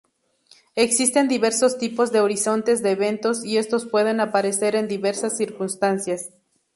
Existen diversos tipos de horizontes de eventos, y estos pueden aparecer en diversas circunstancias.